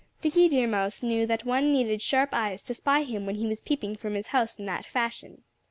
Dickie Deer Mouse knew that one needed sharp eyes to spy him when he was peeping from his house in that fashion.